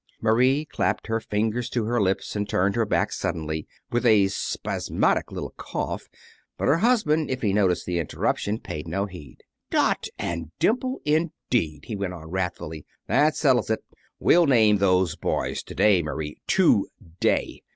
Marie clapped her fingers to her lips and turned her back suddenly, with a spasmodic little cough; but her husband, if he noticed the interruption, paid no heed. "Dot and Dimple, indeed!" he went on wrathfully. "That settles it. We'll name those boys to day, Marie, _to day!